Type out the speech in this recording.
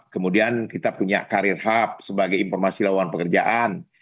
kemudian kita punya karir hub sebagai informasi lawan pekerjaan